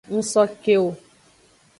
N so ke wo.